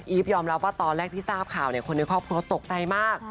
ยอมรับว่าตอนแรกที่ทราบข่าวคนในครอบครัวตกใจมาก